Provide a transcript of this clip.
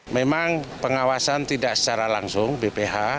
memang pengawasan tidak secara langsung bph